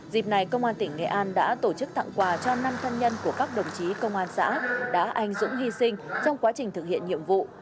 dịp này công an tỉnh nghệ an đã tổ chức tặng quà cho năm thân nhân của các đồng chí công an xã đã anh dũng hy sinh trong quá trình thực hiện nhiệm vụ